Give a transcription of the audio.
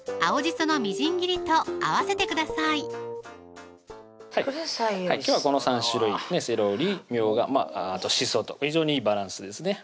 そのみじん切りと合わせてください今日はこの３種類セロリ・みょうが・しそと非常にいいバランスですね